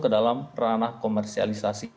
ke dalam ranah komersialisasi